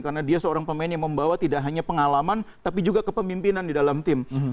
karena dia seorang pemain yang membawa tidak hanya pengalaman tapi juga kepemimpinan di dalam tim